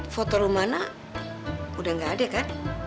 foto rumahna udah gak ada kan